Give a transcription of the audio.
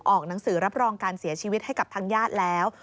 หนังสือรับรองการเสียชีวิตให้กับทางญาติแล้ว